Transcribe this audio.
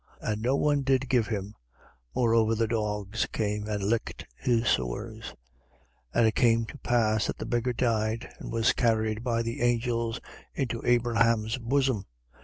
And no one did give him: moreover the dogs came and licked his sores. 16:22. And it came to pass that the beggar died and was carried by the angels into Abraham's bosom.